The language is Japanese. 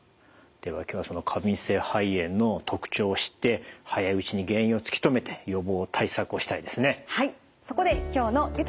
では今日はその過敏性肺炎の特徴を知って早いうちに原因を突き止めて予防対策をしたいですね。